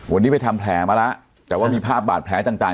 วันนี้ไปทำแผลมาแล้วแต่ว่ามีภาพบาดแผลต่าง